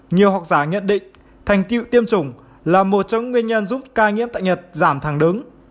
nhiều học giả nhận định thành tiệu tiêm chủng là một trong nguyên nhân giúp ca nhiễm tại nhật giảm thẳng đứng